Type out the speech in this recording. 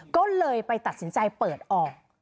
ก็เลยไปตัดสินใจเปิดออก